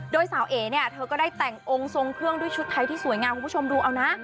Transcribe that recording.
โดยสาวเอ๋เนี่ยเธอก็ได้แต่งองค์ทรงเครื่องด้วยชุดไทยที่สวยงามคุณผู้ชมดูเอานะ